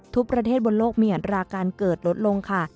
ทุกประเทศบนโลกมีอัตราการเกิดลดลงค่ะ